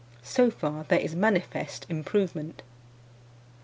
So far there is manifest improvement.